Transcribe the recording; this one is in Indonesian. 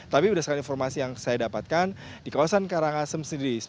tapi berdasarkan informasi yang saya dapatkan di kawasan karangasem sendiri